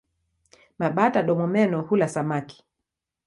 Mabata-domomeno hula samaki.